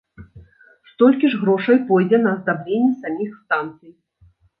Столькі ж грошай пойдзе на аздабленне саміх станцый.